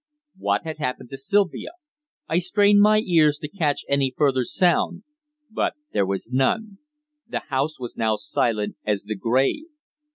What had happened to Sylvia? I strained my ears to catch any further sound. But there was none. The house was now silent as the grave.